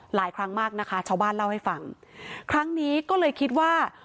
หลายครั้งมากนะคะชาวบ้านเล่าให้ฟังครั้งนี้ก็เลยคิดว่า